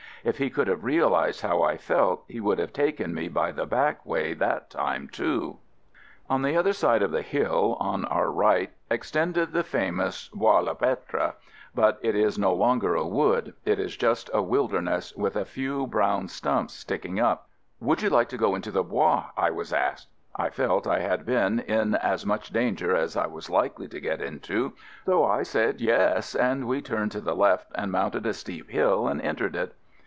If he could have realized how I felt, he would have taken me by the back way that time too. 8 AMERICAN AMBULANCE On the other side of the hill on our right extended the famous Bois le Pretre; but it is no longer a wood — it is just a wilder ness with a few brown stumps sticking up. "Would you like to go into the Bois?" I was asked. I felt I had been in as much danger as I was likely to get into, so I said yes, and we turned to the left and mounted a steep hill and entered it.